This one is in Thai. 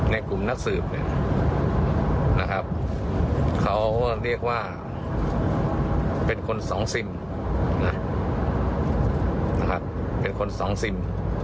ในกลุ่มนักสืบนะครับเค้าเรียกว่าเป็นคน๒ซิมเป็นคน๒ซิม